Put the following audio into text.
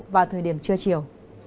vào thời điểm trưa chiều